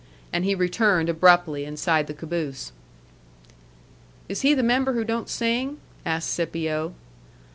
And he returned abruptly inside the caboose. "Is he the member who don't sing?" asked Scipio.